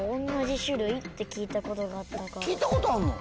聞いたことあんの？